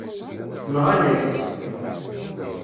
Nɣan-ak-tt.